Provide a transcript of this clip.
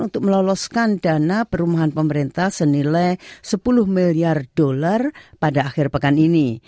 untuk meloloskan dana perumahan pemerintah senilai sepuluh miliar dolar pada akhir pekan ini